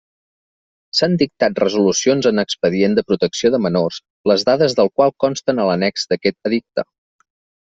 S'han dictat resolucions en expedient de protecció de menors les dades del qual consten a l'annex d'aquest Edicte.